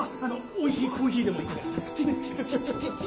おいしいコーヒーでもいかがですか？